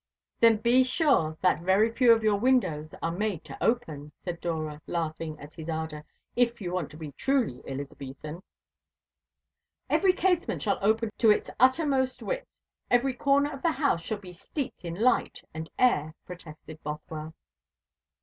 "Then be sure that very few of your windows are made to open," said Dora, laughing at his ardour, "if you want to be truly Elizabethan." "Every casement shall open to its uttermost width every corner of the house shall be steeped in light and air," protested Bothwell.